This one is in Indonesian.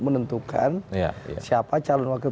menentukan siapa calon wakil